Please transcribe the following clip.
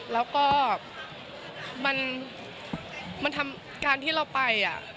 แล้วก็มันทำการที่เราไป